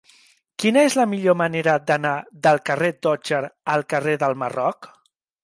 Quina és la millor manera d'anar del carrer d'Otger al carrer del Marroc?